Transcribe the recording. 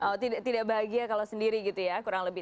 oh tidak bahagia kalau sendiri gitu ya kurang lebih